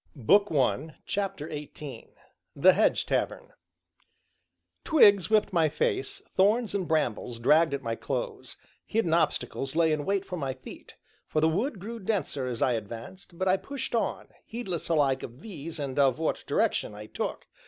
CHAPTER XVIII THE HEDGE TAVERN Twigs whipped my face, thorns and brambles dragged at my clothes, hidden obstacles lay in wait for my feet, for the wood grew denser as I advanced, but I pushed on, heedless alike of these and of what direction I took.